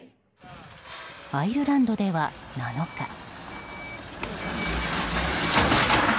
アイルランドでは７日。